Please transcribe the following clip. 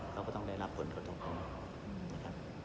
เขาก็ต้องได้รับผลกฎพงษ์